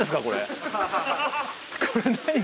これ。